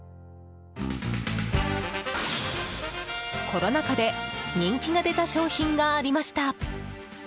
コロナ禍で人気が出た商品がありました。